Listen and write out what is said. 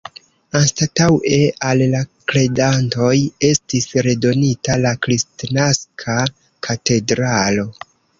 Anstataŭe al la kredantoj estis redonita la Kristnaska katedralo.